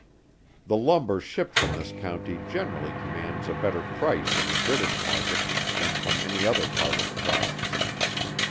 The lumber shipped from this county generally commands a better price in the British market than from any other part of the Province.